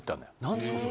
何ですか？